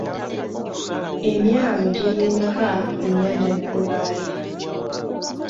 Emyalo giri emeka ku nnyanja Nalubaale?